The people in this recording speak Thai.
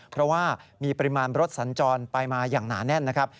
เพราะว่ามีปริมาณรถสัญจรไปมาอย่างหนาแน่นนะครับ